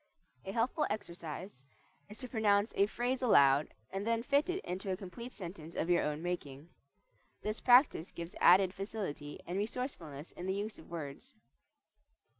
A helpful exercise is to pronounce a phrase aloud and then fit it into a complete sentence of your own making. This practice gives added facility and resourcefulness in the use of words.